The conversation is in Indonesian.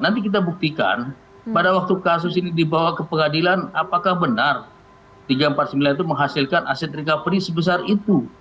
nanti kita buktikan pada waktu kasus ini dibawa ke pengadilan apakah benar tiga ratus empat puluh sembilan itu menghasilkan aset recovery sebesar itu